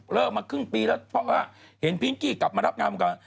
มาครึ่งปีแล้วเพราะว่าเห็นพิงกี้กลับมารับงานวงการ